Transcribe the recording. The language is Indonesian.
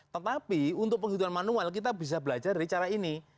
tetapi untuk penghitungan manual kita bisa belajar dari cara ini